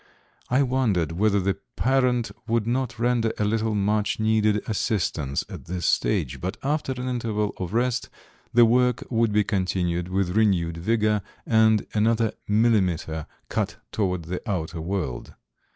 I wondered whether the parent would not render a little much needed assistance at this stage; but after an interval of rest the work would be continued with renewed vigor and another millimetre cut toward the outer world.